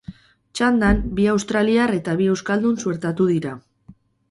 Txandan bi australiar eta bi euskaldun suertatu dira.